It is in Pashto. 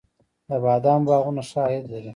د بادامو باغونه ښه عاید لري؟